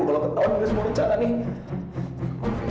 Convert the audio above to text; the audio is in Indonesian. kalau ketawa juga semua rancangan nih